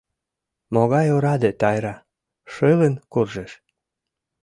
Могай ораде Тайра, шылын куржеш.